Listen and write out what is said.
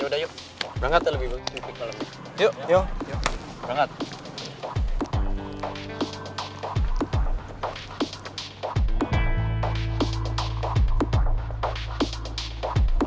yaudah yuk berangkat ya lebih lebih